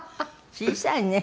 小さいね。